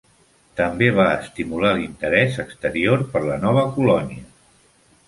També va estimular l"interès exterior per la nova colònia.